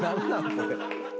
これ。